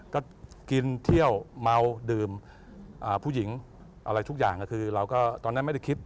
ก็กินเที่ยวเมาดื่มผู้หญิงอะไรทุกอย่างก็คือเราก็ตอนนั้นไม่ได้คิด